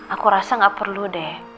aku rasa gak perlu deh